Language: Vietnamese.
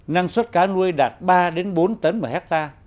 năng suất cá nuôi đạt ba bốn tấn một hectare